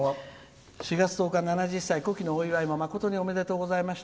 ４月１０日、７０歳古希誠におめでとうございます」。